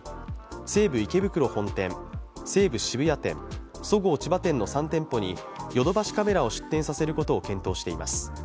西武池袋本店、西武渋谷店そごう千葉店の３店舗にヨドバシカメラを出店させることを検討しています。